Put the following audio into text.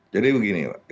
jadi begini pak